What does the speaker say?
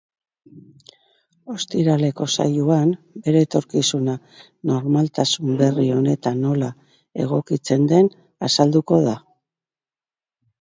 Ostiraleko saioan, bere etorkizuna normaltasun berri honetan nola egokitzen den azalduko du.